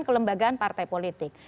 kelembagaan partai politik